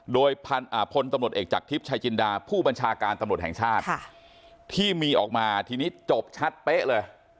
โดยพลตำรวจเอกจากทิพย์ชายจินดาผู้บัญชาการตำรวจแห่งชาติที่มีออกมาทีนี้จบชัดเป๊ะเลย